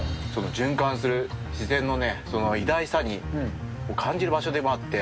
循環する自然の偉大さを感じる場所でもあって、